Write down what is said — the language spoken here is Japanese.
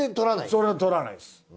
それは取らないです。